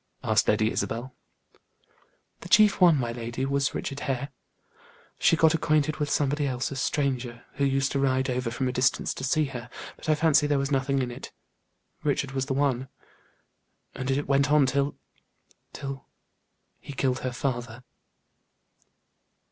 asked Lady Isabel. "The chief one, my lady, was Richard Hare. She got acquainted with somebody else, a stranger, who used to ride over from a distance to see her; but I fancy there was nothing in it Richard was the one. And it went on till till he killed her father."